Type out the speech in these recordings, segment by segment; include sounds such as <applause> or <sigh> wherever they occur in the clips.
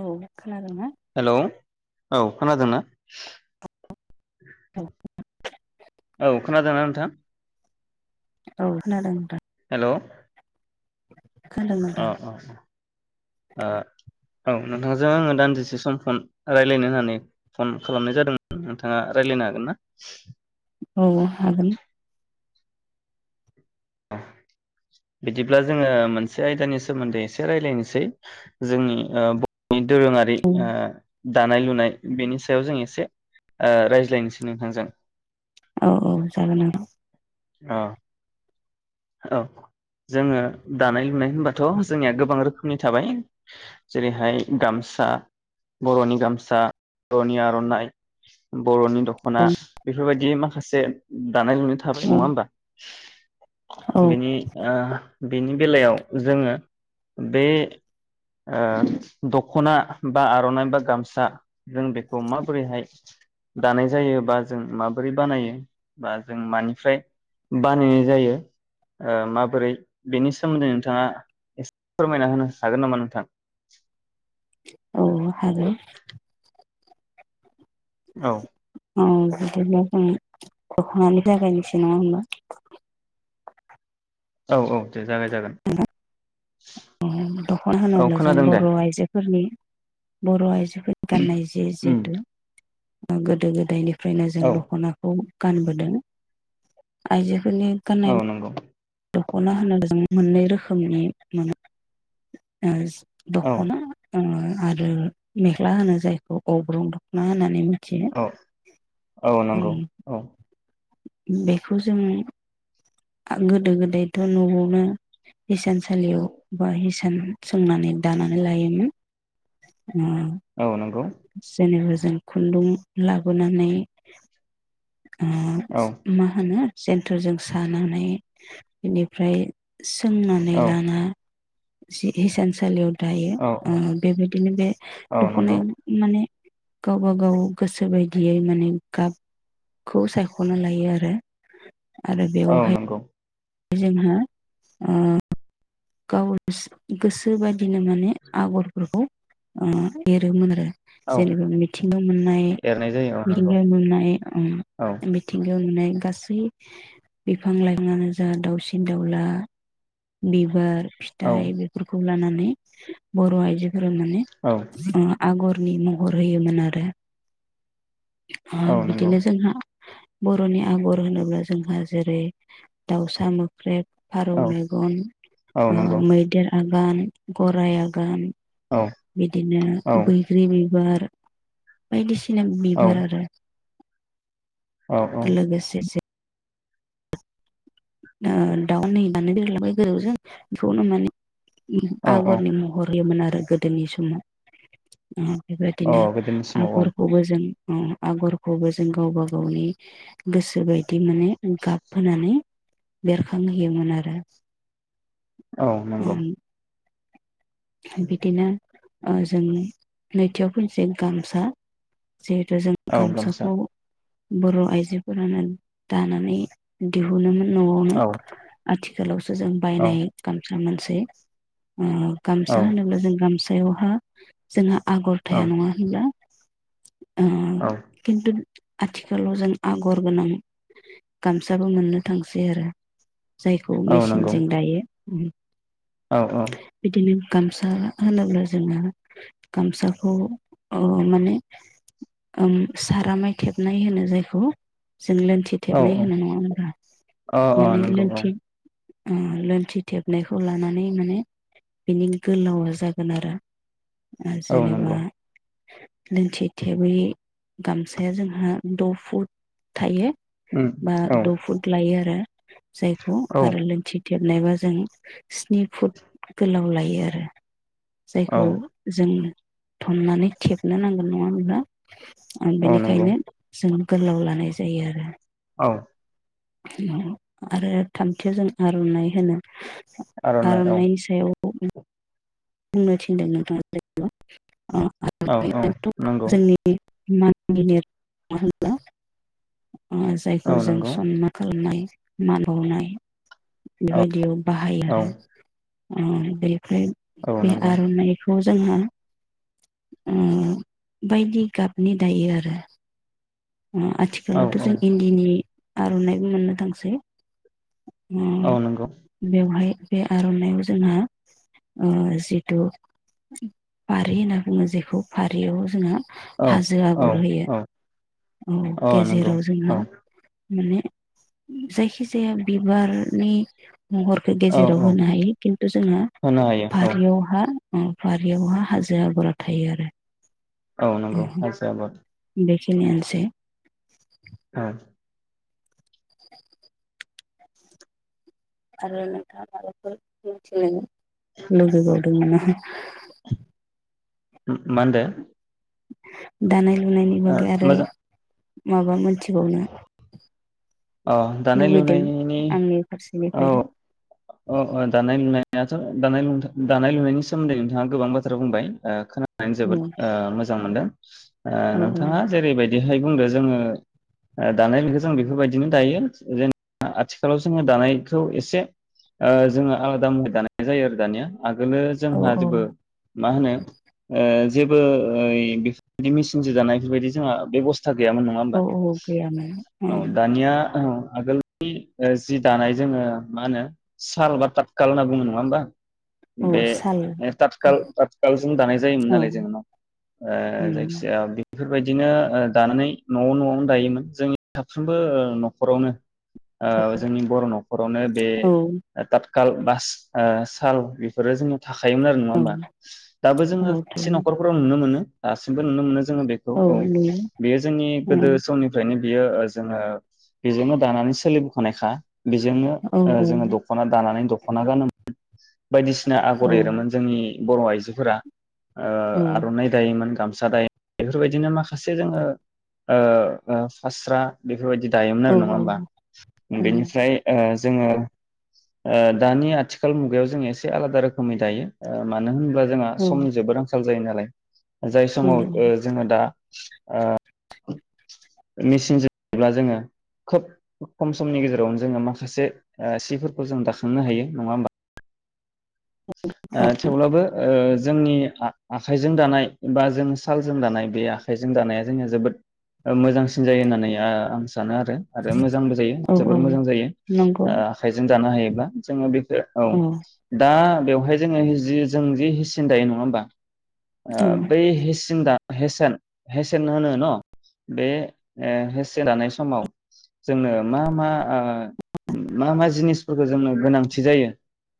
औ खोनादों ना। हेलौ औ खोनादोंना? औ <unintelligible> औ खोनादोंना नोंथां। औ खोनादों नोंथां। हेलौ खोनादों अ नोंथां अ ओ औ नोंथांजों आङो दान्दिसे सम फन रायलायनो होननानै फन खालामनाय जादोंमोन नोंथाङा रायलायनो हागोन ना? औ हागोन बिदिब्ला जोङो मोनसे आयदानि सोमोन्दै एसे रायज्लायनोसै जोंनि ओ नि दोरोङारि ओ औ दानाय लुनाय बेनि सायाव जों एसे रायज्लायनोसै नोंथांजों । औ औ जागोन नोंथां। औ औ जोङो दानाय लुनाय होनबाथ' जोंनिया गोबां रोखोमनि थाबाय जेरैहाय गामसा बर'नि गामसा बर'नि आरनाइ बर'नि दख'ना बेफोरबायदि। दिनो माखासे दानाय लुनाय औ नङा होनबा। औ बिनि ओ बेनि बेलायाव जोङो बे ओ दख'ना बा आरनाइ बा गामसा जों बेखौ माबोरैहाय दानाय जायो बा जों माबोरै बानायो बा जों मानि फ्राय बानायनाय जायो माबोरै बेनि सोमोन्दै नोंथाङा एसे फोरमायना होनो हागोन नामा नोंथां? औ हागोन औ। औ बिदिब्ला जों दख'नानि जागायनोसै नङा होनोमबा। औ औ दे जागाय जागोन। दख'ना औ होनोब्ला जों खोनादों दे बर' आइजोफोरनि बर'आायजो गान्नाय जे जे उम जेहुथु गोदो गोदायनि फ्रायनो जों औ दख'नाखौ गानबोदों आइजो आयजोफोरनि गाननाय औ नंगौ दखना होनोब्ला जों मोननै रोखोमनि मोनो <unintelligible> औ दखना ओ आरो मेख्ला होनो जायखौ अग्रं दखना होनानै बुङो। औ औ नंगौ औ। बेखौ जोङो। गोदो गोदायथ नआवनो। हिसानसालियाव बा। सोंनानै दानानै लायोमोन। औ नंगौ जेनेबा । जों खुन्दुं लाबोनानै। औ मा होनो । जेन्टेरजों सानानै बेनिफ्राय। सोंनानै औ लाना। हिसानसालियाव। औ औ दायो बेबायदिनो बे औ नंगौ दखनाया माने। गावबा गाव गोसो बायदियै माने गाब। खौ सायखना लायो आरो। आरो औ बेवहाय। नंगौ जोंहा। गाव गोसो बायदिनो माने आगरफोरखौ एरोमोन आरो। औ जेनेबा मिथिंगायाव मोननाय एरनाय जायो औ नंगौ मिथिंगायाव मोननाय औ मिथिंगायाव मोननाय। गासै बिफां लाइफाङानो जा दाउसिन दाउला। बिबार। औ फिथाइ बेफोरखौ लानानै। बर आयजोफोरा। फोरोंनानै औ ओं। आगरनि महर होयोमोन आरो। औ नंगौ बिदिनो जोंहा। बर'नि आगर होनोब्ला जोंहा जेरै दावसा मोख्रेब। फारौ औ मेगन। औ ओ नंगौ मैदेर आगान। आगान गराय आगान। औ बिदिनो औ बैग्रि बिबार बायदिसि सिना औ बिबार आरो औ लोगोसे ना दाउन नानै दोनलांबाय गोजौजों बेखौनो माने उम औ औ आगरनि महर होयोमोन आरो रो गोदोनि समाव उम औ बेबायदिनो गोदोनि समाव औ आगरखौबो जों उम आगरखौबो जों गावबा गावनि गोसो बायदि माने गाब होनानै बेरखांहोयोमोन आरो औ नंगौ। बिदिनो ओ जों नैथियाव फैनोसै गामसा जिहेथु जों औ गामसा गामसाखौ बर' आइजोफोरानो दानानै दिहुनोमोन न'आवनो औ आथिखालाव सो जों औ बायनाय गान जा मोनसेै औ गामसा होनोब्ला जों गामसा सायावहा जोंहा आगर थाया नङा होनब्ला ओ औ खिन्थु आथिखालाव जों आगर गोनां गामसाबो मोननो थांसै आरो जायखौ औ नंगौ मेचिनजों दायो। उम औ औ उम गामसा होनोब्ला जोङो गामसाखौ ओ माने ओम सारामाय थेबनाय होनो जायखौ जों लोनथि औ थेबनाय औ होनाय नङा होनबा अ अ माने नंगौ लोनथि उम लोनथि थेबनायखौ लानानै माने बिनि गोलावा जागोन आरो ओ औ जेनेबा नंगौ लोंथि थेबै गामसाया जोंहा द' फुट थायो। उम बा औ द' फुट लायो आरो जायखौ औ आरो लोंथि थेबनायबा जों स्नि फुट गोलाव लायो आरो औ जायखौ । उम थननानै थेबनो नांगोन नङा होनब्ला? आर औ नंगौ बेनिखायनो जों गोलाव लानाय जायो आरो । औ । उम आरो थामथिजों आर'नाइ होनो । आर'नाइ औ आर'नाइनि सायाव बुंनो थिनदों नोंथां बेखौ । औ औ नोंगौ । <unintelligible> अ' जायखौ औ जों नंगौ सनमान खालामनो हायो मानबावनाइ । औ बेबायदियाव बाहायो औ आरो अ' बेफ्राय औ बे नंगौ आर'नाइ खौ जोंहा ओ बायदि गाबनि दायो आरो अ' औ आथिखालावथ' औ जों इन्दिनि आर'नाइबो मोननो थांसै । औ अ' नंगौ बेवहाय बे आर'नाइआव जोंहा ओ जिथु फारि होनना बुङो जेखौ फारियाव जोंहा औ हाजो औ आगर होयो । औ औ नंगौ गेजेराव जोंहा औ माने जायखि जाया बिबारनि महरखौ औ गेजेराव औ होनो हायो खिन्थु जोंहा होनो हायो औ फारियावहा औ फारियावहा हाजो आगरा थायो आरो। औ नंगौ <unintelligible> आबाद । नियानोसै। औ । आरो नोंथाङा माबाफोर मिथिनो लुबैबावदों नामा? उम मा होनदो? दानाय नायनि ओ बागै आरो मोजां माबा मोनथिबावनो अ' दानाय लुबैदों लुनायनि आंनि औ फारसेनिफ्राय ओ ओ दानाय लुनाय दाथ' दानाय लुनथा दानाय लुनायनि सोमोन्दै नोंथाङा गोबां बाथ्रा बुंबाय ओ खोना नै औ जोबोद ओ मोज जां मोनदों ओ औ नोंथाङा जेरैबायदि बिहाय बुंदो जोङो ओ दानायनिखौ जों बेफोरबायदि दिनो दायो जेनब आथिखालाव जोङो दानायखौ एसे ओ जोङो आलादा मुवै दानाय जायो आरो दानिया आगोलो जोंहा औ औ जेबो मा होनो ओ जेबो ओ बेफोरबायदि मेचिनजों दानाय बेफोरबायदि जोंहा बेबस्थ औ औ गैयामोन। औ उम दानिया औ आगोलनि ओ जि दानाय जोङो मा होनो साल बा तातकाल होनना बुङो नङा होमबा औ बे साल ने ताथखाल ताथखालजों दानाय जायोमोन औ नालाय जों नव ओ उम जायखिया बेफोरबायदिनो ओ दानानै न'आव न'आवनो दायोमोन जोंनि साफ्रोमबो ओ न'खरावनो औ ओ जोंनि बर' न'खरावनो बे औ ओ ताथ काल बास ओ साल बेफोरो जोंनाव थाखायोमोन आरो नङा होमबा दाबो जोङो औ से थारैनो न'खरफोराव नुनो मोनो दासो बो नुनो मोनो जों बेखौ औ बेयो जोंनि गोदो समनिफ्रायनो बेयो ओ जोङो बेजोंनो दानानै सोलिबोखानायखा बेजोंनो औ ओ औ जोङो दख'ना दानानै दख'ना गानोमोन बायदिसिना आगर औ एरोमोन जोंनि बर' आइजोफोरा ओ औ आर'नाइ दायोमोन गामसा सा दायो बेफोरबायदिनो माखासे जोङो ओ ओ फास्रा बेफोरबायदि दायोमोन आरो नङा होमबा बेनिफ्राय ओ जोङो ओ दानि आथिखाल मुगायाव जोङो एसे आलादा रोखोमै दायो ओ मानो होनोबा जोंहा औ समनि जोबोद आं खाल जायो नालाय जाय समाव औ ओ जोङो दा ओ मेसिनजोंब्ला जोङो खोब खम समनि गेजेरावनो जोङो माखासे ओ सिफोरखौ जों दाखांनो हायो नङा होमबा। औ ओ थेवब्लाबो ओ जोंनि आखाइजों दानाय बा जों सालजों दानाय बे आखाइजों दानाया जोंना जोबोद ओ मोजांसिन जायो होननानै आं सानो। सानो आरो आरो मोजांबो जायो औ औ जोबोर मोजां जायो नंगौ आखाइजों दानो हायोब्ला। जोंङो बे। औ दा। बेवहाय जोङो जि जों जि हिसिन दायो नङा होमबा। औ बेै हि। जों दा हेसेन हेसेन होनो न' बे हेसेन दानाय समाव जोंनो मा मा मा मा जिनिसफोरखौ जोंनो गोनांथि जायो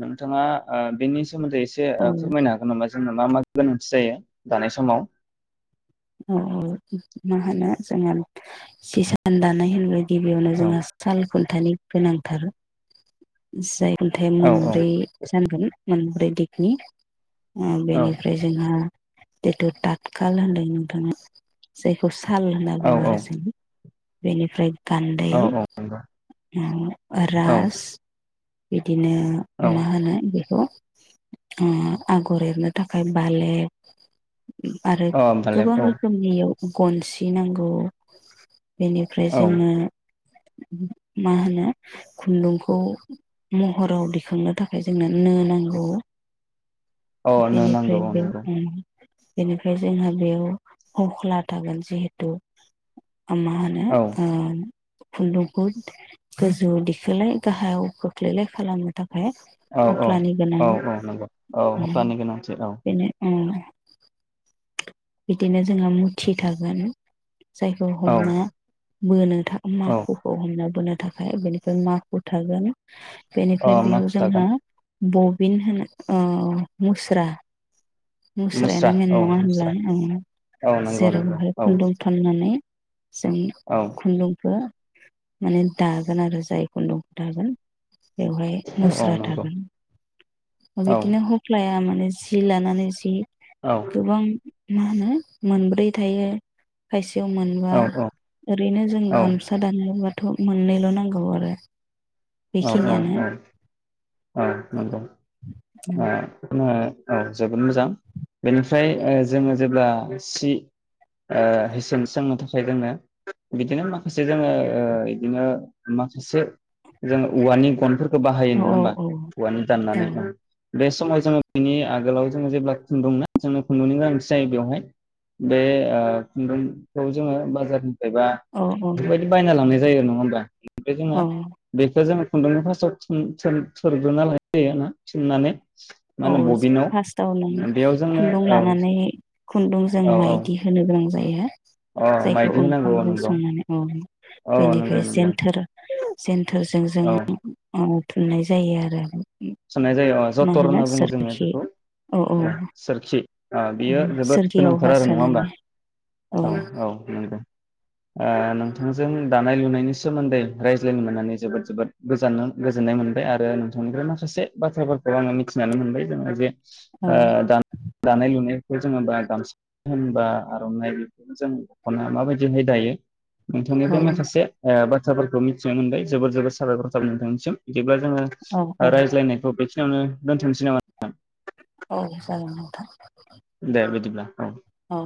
नोंथाङा। <unintelligible> सोमोन्दै एसे औ फोरमायनो हागोन नामा जोंनो मा मा। गोनांथि जायो दानाय समाव। औ मा होनो जोंना हिसान दानाय होनबाय <unintelligible> गिबियावनो औ जोंङा सालखुन। खुन्थानि गोनांथार जाय। <unintelligible> ओमथाय औ मोनब्रै जानगोन। मोनब्रै दिगनि। बेनिफ्राय जोंहा। बेथ' टाकलालदाय न <unintelligible> जायखौ स। साल होनना बुङो आरो जों। बेनिफ्राय। गान्दै औ औ नंगौ औ रास। बिदिनो मा होनो बेखौ। आगर एरनो थाखाय बाले। अ भालाय <unintelligible> रोखोमनि। गनसि नांगौ। बेनिफ्राय औ जोंनो। मा होनो खुन्दुंखौ महराव दिखांनो थाखाय जोंनो नो नांगौ। औ नो नांगौ बेनिफ्राय औ बे नंगौ। बेनिफ्राय जोंहा। बेयाव हख्ला थागोन जेहेथु। मा होनो। औ खुन्दुंखौ गोजौआव दिखोलाय गाहायाव खोख्लैलाय खालामनो थाखाय। औ औ हख्लानि गोनां औ औ नंगौ औ हख्लानि गोनांथि औ। बेनो बिदिनो जोंहा मुथि थागोन। जायखौ औ हमना बोनो था औ माखुखौ हमना बोनो थाखाय बेनिफ्राय माु थागोन अ बेनिफ्राय मा बेयाव खुथा गान जोंहा बबिन होनना ओ मुस्रा, मुस्रा मुस्रायानो मेेन औ नङा होनब्ला मुस्रा ओ औ नंगौ नंगौ जेरावहाय औ खुन्दुं थननानै जों औ खुन्दुंखो माने दागोन आरो जाय खुन्दुंखौ दागोन बेवहाय औ मुस्रा नंगौ थागोन औ बिदिनो हफ्लायामोन नोसि लानानै जि औ गोबां मा होनो मोनब्रै थायो खायसे याव मोनबा औ ओरैनो जों औ गामसा दानायाव बाद थ' मोननैल' नांगौ आरो औ औ बेखिनियानो औ औ नंगौ ओ आंङो, औ जोबोद मोजां बेनिफ्राय ओ जोङो जेब्ला सि ओ हेसेन सोंनो थाखाय जोंनो बिदिनो माखासे जोङो ओ बिदिनो माखासे जोङो औवानि गनफोर खौ बाहायो औ नङा औ होमबा औ औवानि दाननानै। बे समाव जोङो बिनि आगोलाव जोङो जेब्ला खुन्दुं ना जोंनो खुन्दुंनि गोनांथि जायो बेवहाय बे ओ खुन्दुंखौ जोङो बाजार फायबा औ औ बेफोरबायदि बायना लांनाय जायो नङा होमबा? ओमफ्राय जोङो, औ जोङो खुन्दुंखौ फार्स्टआव थुन थोर-थोरग्रोना लानाय जायो आरोना थुननानै। मा औ होनो बबिनाव फार्स्टाव नों बेयाव जोंनो खुन्दुं औ लानानै खुन्दुं जों औ माइदि होनो गोनां जायो। औ अ जायखौ माइदि होनांगौ औ ओंखामजों नंगौ संनानै औ औ नंगौ बेनिफ्राय नंगौ जेन्थोर जेन थोरजों जों औ औ थुमनाय जायो आरो। थुननाय जायो। ओ मा जथर होनो होनना बुङो जोङो सोरखि बेखौ औ औ ओ सोरखि बेयो जोबोद गोनांथार सोरगियावहा आरो नङा होमबा सोनानै औ औ नंगौ। ओ नोंथांजों दानाय लुनायनि सोमोन्दै रायज्लायनो मोननानै जोबोद जोबोद गोजोननाय मोनबाय आरो नोंथांनिफ्राय मा माखासे बाथ्राफोरखौ आङो मिथिनानै मोनबाय जोङो जे औ ओ दानाय लुनाय बेखौ जोङो बा गामसा होनबा आर'नाइ बेफोरनो जों दख'नाय माबायदिहाय दायो? नोंथांनिफ्राय औ माखासे ओ बाद, थ्राफोरखौ मिथिनो मोनबाय ।जोबोद जोबोद साबायखर थाबाय नोंथांनिसिम बिदिब्ला जोङो औ औ रायज्लायनाय खौ बेखि नावनो दोनथ'नोसै नामा? <unintelligible> औ जागोन नोंथां। दे बिदिब्ला औ। औ।